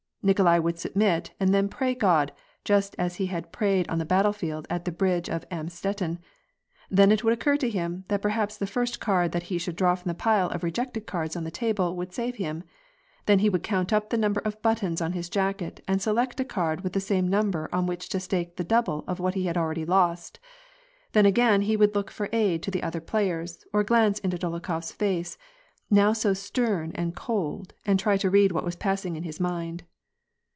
Nikolai would submit, and then pray Ood, just as he had prayed on the battle field at the bridge of Amstetten; then it would occur to him, that perhaps the first card that he should draw from the pile of rejected cards on the table would save him ; then he would count up the number of buttons on his jacket, and select a card with the same number on which to stake the double of what he had already lost ; then again, he would look for aid to the other players, or glance into Dolokhof s face, now so stern and cold, and try to read what was passing in his mind.